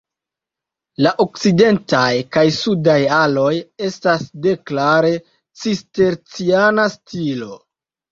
La okcidentaj kaj sudaj aloj estas de klare cisterciana stilo.